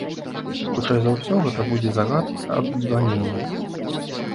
Хутчэй за ўсё, гэта будзе загад аб звальненні.